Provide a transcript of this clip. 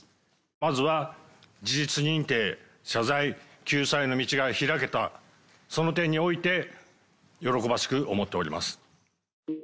まずは事実認定、謝罪、救済の道が開けた、その点において喜ばしく思っております。